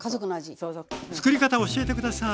作り方を教えて下さい。